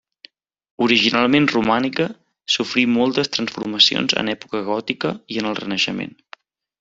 Originalment romànica, sofrí moltes transformacions en època gòtica i en el Renaixement.